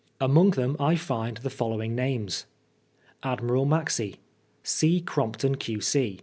Among them I find the following names :— Admiral Maxse C. Crompton, Q.C.